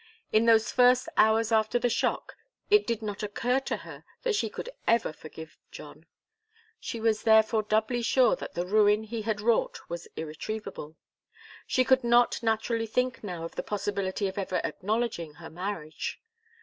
In those first hours after the shock it did not occur to her that she could ever forgive John. She was therefore doubly sure that the ruin he had wrought was irretrievable. She could not naturally think now of the possibility of ever acknowledging her marriage.